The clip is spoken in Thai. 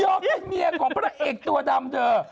เป็นเมียของพระเอกตัวดำเธอ